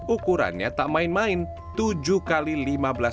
ukurannya tak main main tujuh x lima belas